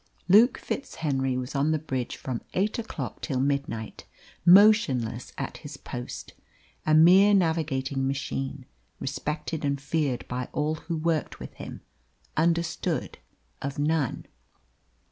Luke FitzHenry was on the bridge from eight o'clock till midnight, motionless at his post a mere navigating machine, respected and feared by all who worked with him, understood of none.